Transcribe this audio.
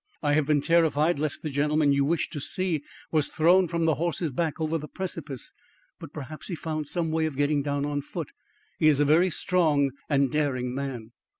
"I have been terrified lest the gentleman you wish to see was thrown from the horse's back over the precipice. But perhaps he found some way of getting down on foot. He is a very strong and daring man."